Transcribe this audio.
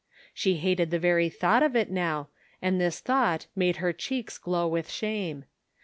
She hated the very thought of it now, and this thought made her cheeks glow with shame.